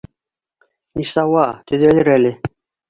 Нисауа, төҙәлер әле.